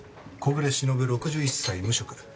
小暮しのぶ６１歳無職。